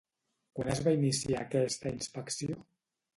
Quan es va iniciar aquesta inspecció?